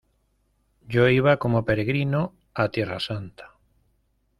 yo iba como peregrino a Tierra Santa.